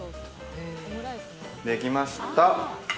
できました！